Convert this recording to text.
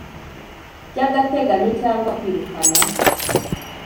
by agateganyo cyangwa kwirukana